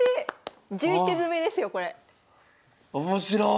１１手詰ですよこれ。